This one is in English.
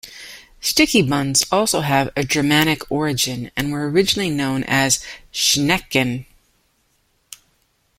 Sticky buns also have a Germanic origin and were originally known as ""Schnecken"".